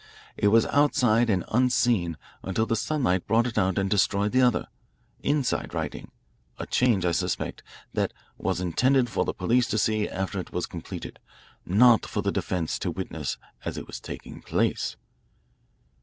It was outside and unseen until the sunlight brought it out and destroyed the other, inside, writing a change, I suspect, that was intended for the police to see after it was completed, not for the defence to witness as it was taking place."